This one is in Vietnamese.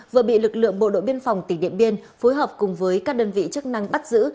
vừa bị lực lượng bộ đội biên phòng tỉnh điện biên phối hợp cùng với các đơn vị chức năng bắt giữ